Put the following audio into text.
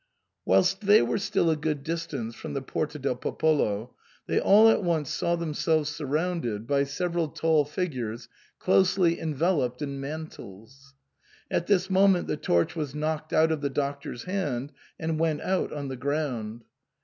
Whilst they were still a good distance from the Porta del Popolo they all at once saw themselves surrounded by several tall figures closely enveloped in mantles. At this moment the torch was knocked out of the Doctor's hand, and went out on the ground.